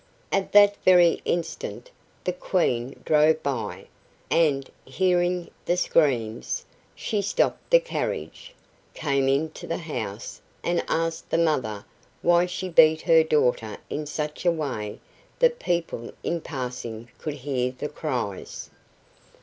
At that very instant, the Queen drove by, and, hearing the screams, she stopped the carriage, came into the house, and asked the mother why she beat her daughter in such a way that people in passing could hear the cries.